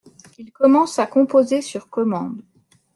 Il commence à composer sur commande.